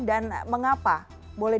dan mengapa boleh